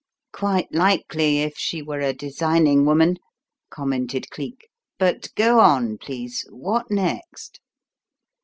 "Quite likely, if she were a designing woman," commented Cleek. "But go on, please. What next?"